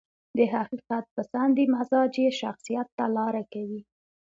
د حقيقت پسندي مزاج يې شخصيت ته لاره کوي.